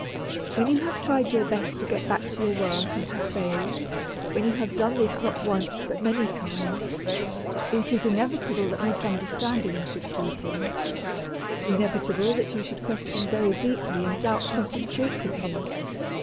When you have tried your best to get back to your work and have failed, when you have done this not once but many times, it is inevitable that misunderstanding should creep in, inevitable that you should question very deeply and doubt not infrequently.